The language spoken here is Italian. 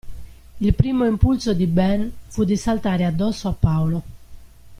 Il primo impulso di Ben fu di saltare addosso a Paolo.